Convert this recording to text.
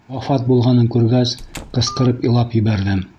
Вафат булғанын күргәс, ҡысҡырып илап ебәрҙем.